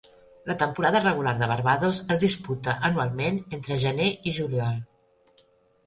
La temporada regular de Barbados es disputa anualment entre gener i juliol.